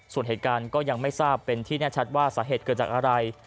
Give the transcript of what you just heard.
ส่วนเหตุการณ์ก็ยังไม่ทราบเป็นที่แน่ชัดว่าสาเหตุเกิดจากอะไร